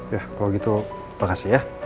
ya kalau gitu makasih ya